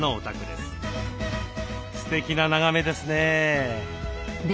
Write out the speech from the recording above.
すてきな眺めですね。